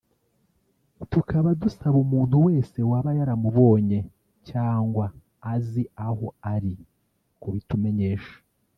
tukaba dusaba umuntu wese waba yaramubonye cyangwa azi aho ari kubitumenyesha